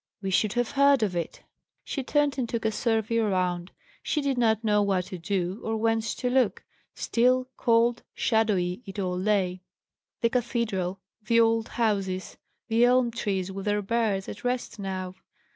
We should have heard of it." She turned, and took a survey around. She did not know what to do, or where to look. Still, cold, shadowy it all lay; the cathedral, the old houses, the elm trees with their birds, at rest now.